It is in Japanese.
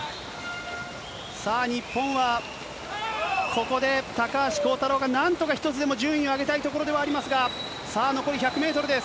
さあ、日本は、ここで高橋航太郎がなんとか１つでも順位を上げたいところではありますが、さあ、残り１００メートルです。